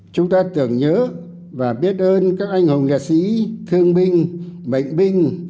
chúng ta tưởng nhớ và biết ơn các anh hùng liệt sĩ thương binh bệnh binh